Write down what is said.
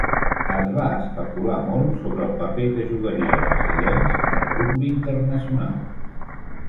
Es va especular molt sobre el paper que jugarien els illencs en el rugbi internacional.